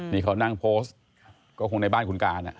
นี่เขานั่งโพสต์ก็คงในบ้านคุณการ